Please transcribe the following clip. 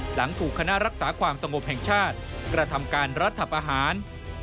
หลังถูกคณะรักษาความสงบแห่งชาติกระทำการรัฐประหาร